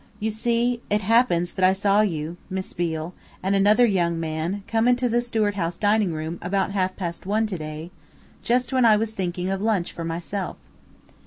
"You see, it happens that I saw you, Miss Beale and another young man come into the Stuart House dining room about half past one today, just when I was thinking of lunch for myself."